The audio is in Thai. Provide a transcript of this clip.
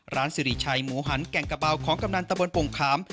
สิริชัยหมูหันแก่งกระเบาของกำนันตะบนโป่งขาม